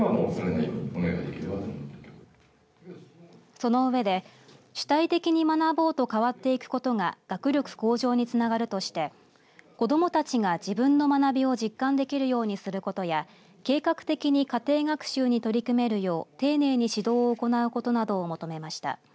そのうえで主体的に学ぼうと変わっていくことが学力向上につながるとして子どもたちが自分の学びを実感できるようにすることや計画的に家庭学習に取り組めるよう丁寧に指導を行うことなどを求めました。